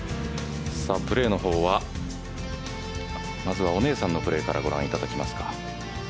プレーの方はまずはお姉さんのプレーからご覧いただきますか。